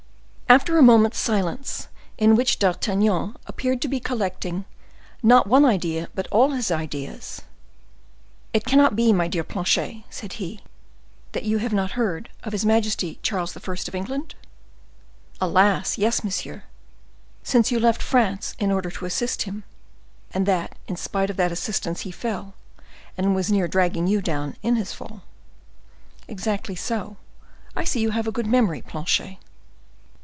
After a moment's silence, in which D'Artagnan appeared to be collecting, not one idea but all his ideas,—"It cannot be, my dear Planchet," said he, "that you have not heard of his majesty Charles I. of England?" "Alas! yes, monsieur, since you left France in order to assist him, and that, in spite of that assistance, he fell, and was near dragging you down in his fall." "Exactly so; I see you have a good memory, Planchet."